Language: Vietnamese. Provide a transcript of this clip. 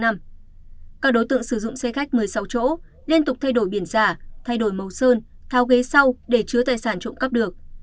các đối tượng sử dụng xe khách một mươi sáu chỗ liên tục thay đổi biển giả thay đổi màu sơn thao ghế sau để chứa tài sản trộm cắp được